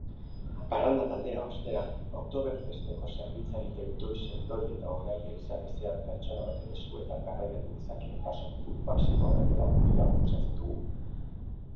Parranda-taldea, ostera, Oktoberfesteko-zerbitzari-teutoi-sendo-eta-horaila-izan-ezean-pertsona-batek-eskuetan-garraiatu-dezakeen-baso-kopuru-maximoa baino lagun gehiagok osatzen dugu.